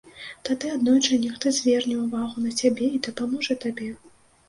Тады аднойчы нехта зверне ўвагу на цябе і дапаможа табе.